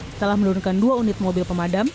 setelah menurunkan dua unit mobil pemadam